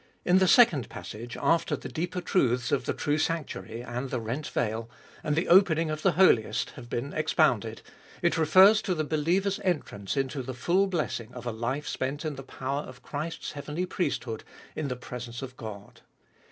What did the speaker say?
In the second passage, after the deeper truths of the true sanctuary, and the rent veil, and the opening of the Holiest, have been expounded, it refers to the believer's entrance into the full blessing of a life spent in the power of Christ's heavenly priesthood, in the presence of God.